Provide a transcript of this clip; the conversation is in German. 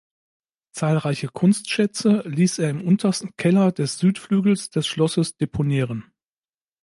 Zahlreiche Kunstschätze ließ er im untersten Keller des Südflügels des Schlosses deponieren.